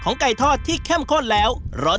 ของไก่ทอดของไก่ทอด